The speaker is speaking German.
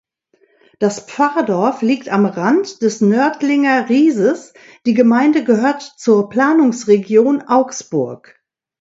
Das Pfarrdorf liegt am Rand des Nördlinger Rieses, die Gemeinde gehört zur Planungsregion Augsburg.